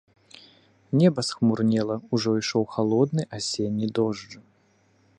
Неба схмурнела, ужо ішоў халодны асенні дождж.